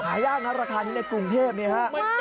หายากนะราคานี้ในกรุงเทพเนี่ยฮะ